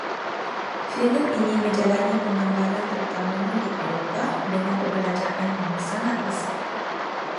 Filem ini menjalani penggambaran terutamanya di Eropah, dengan perbelanjaan yang sangat besar